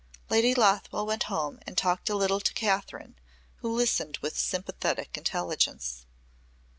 Lady Lothwell went home and talked a little to Kathryn who listened with sympathetic intelligence.